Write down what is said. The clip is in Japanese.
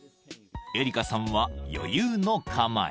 エリカさんは余裕の構え］